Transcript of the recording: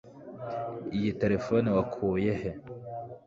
iyi terefone wakuye he